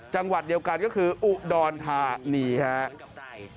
จังหวัดเดียวกันก็คืออุดรธานีครับ